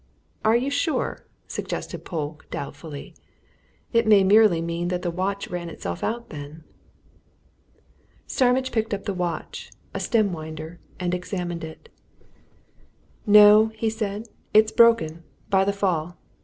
"Are you sure?" suggested Polke doubtfully. "It may merely mean that the watch ran itself out then." Starmidge picked up the watch a stem winder and examined it. "No," he said, "it's broken by the fall.